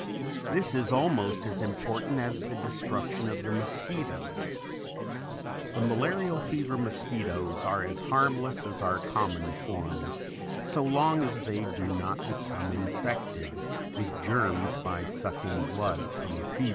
This is almost as important as the destruction of the mosquitoes. The malarial fever mosquitoes are as harmless as our common forms so long as they do not become infected with germs by sucking blood from a fever patient.